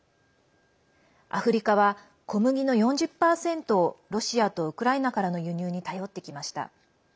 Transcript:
アフリカは小麦の４０％をロシアとウクライナからの輸入に頼ってきました。